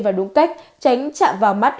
và đúng cách tránh chạm vào mắt